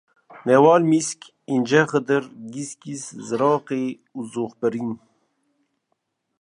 Newalmisk, Încexidir, Gîsgîs, Zireqê û Zoxbirîn